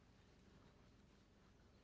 menjadi kemampuan anda